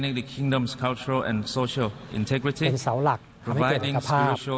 เป็นจุดส่วนมุ่นจิตอินยาของประชาชน